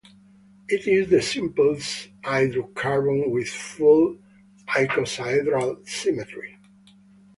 It is the simplest hydrocarbon with full icosahedral symmetry.